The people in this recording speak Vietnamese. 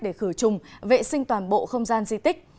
để khử trùng vệ sinh toàn bộ không gian di tích